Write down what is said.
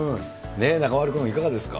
中丸君、いかがですか。